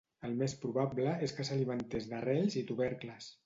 El més probable és que s'alimentés d'arrels i tubercles.